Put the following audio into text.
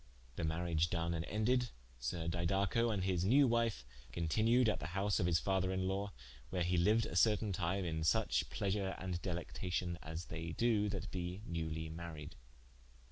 The mariage done and ended, Sir Didaco and his newe wife continued at the house of his father in lawe, where he liued a certaine time in suche pleasure and delectation as they do that be newly maried.